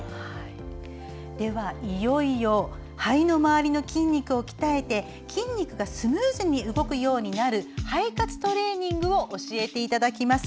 いよいよ肺の周りの筋肉を鍛えて筋肉がスムーズに動くようになる肺活トレーニングを教えていただきます。